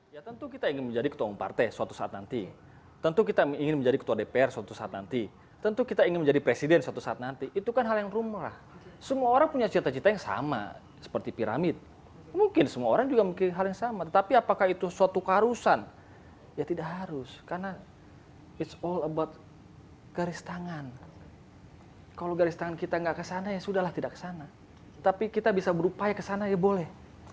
ya sudah lah tidak ke sana tapi kita bisa berupaya ke sana ya boleh